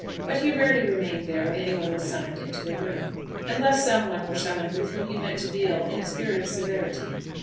But he rarely remained there when any one was summoned into the room, unless some one were summoned with whom he meant to deal in a spirit of severity.